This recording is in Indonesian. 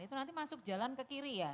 itu nanti masuk jalan ke kiri ya